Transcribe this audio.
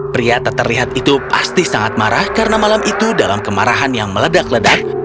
pria tak terlihat itu pasti sangat marah karena malam itu dalam kemarahan yang meledak ledak